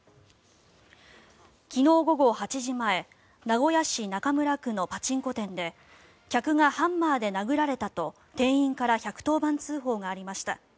昨日午後８時前名古屋市中村区のパチンコ店で客がハンマーで殴られたと店員から１１０番通報がありました。